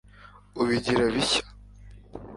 ubigira bishya